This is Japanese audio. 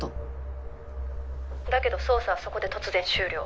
「だけど捜査はそこで突然終了」